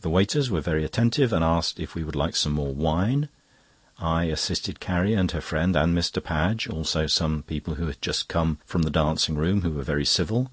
The waiters were very attentive, and asked if we would like some more wine. I assisted Carrie and her friend and Mr. Padge, also some people who had just come from the dancing room, who were very civil.